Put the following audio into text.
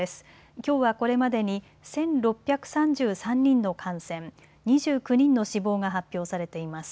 きょうはこれまでに１６３３人の感染、２９人の死亡が発表されています。